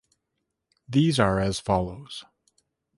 These are as follows.